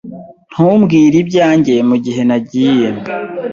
Ntumbwire ibyanjye mugihe nagiye.